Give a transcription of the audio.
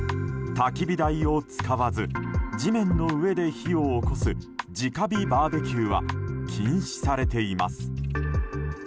たき火台を使わず地面の上で火を起こす直火バーベキューは禁止されています。